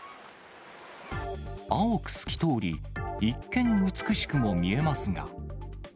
青く透き通り、一見、美しくも見えますが。